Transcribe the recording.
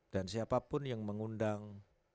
dan siapapun yang mengundang